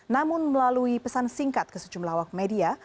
namun melalui pesan singkat ke sejumlah awak media